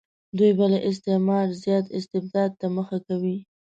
دوی به له استعمار زیات استبداد ته مخه کوي.